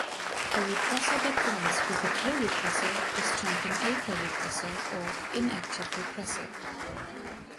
A repressor that binds with a corepressor is termed an "aporepressor" or "inactive repressor".